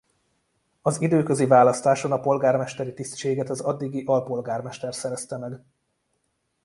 Az időközi választáson a polgármesteri tisztséget az addigi alpolgármester szerezte meg.